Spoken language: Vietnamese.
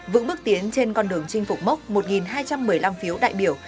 vững bước tiến trên con đường chinh phục mốc một hai trăm một mươi năm phiếu đại biểu